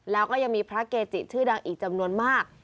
แล้วก็ยังมีพระเกจิชื่อดังอีกจำนวนมาก